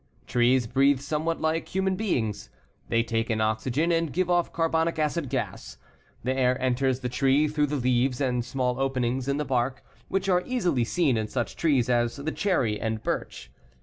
Trees breathe somewhat like human beings. They take in oxygen and give off carbonic acid gas. The air enters the tree through the leaves and small openings in the bark, which are easily seen in such trees as the cherry and birch.